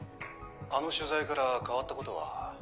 あの取材から変わったことは？